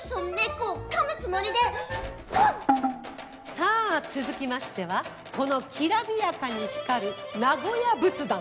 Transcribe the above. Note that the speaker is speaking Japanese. さあ続きましてはこのきらびやかに光る名古屋仏壇。